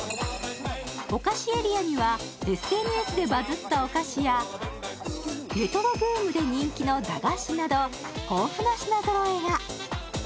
お菓子エリアには、ＳＮＳでバズったお菓子やレトロブームで人気の駄菓子など、豊富な品ぞろえが。